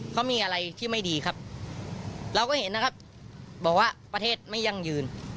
เขามีอะไรที่ไม่ดีครับเราก็เห็นนะครับบอกว่าประเทศไม่ยั่งยืน